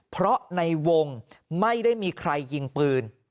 เพราะในวงไม่ได้มีใครยิงปืน